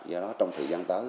do đó trong thời gian tới